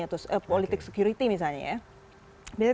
atau politik security misalnya ya